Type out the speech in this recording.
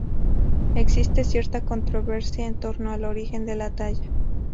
Existe cierta controversia en torno al origen de la talla.